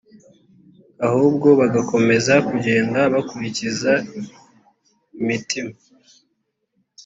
ahubwo bagakomeza kugenda bakurikiza imitima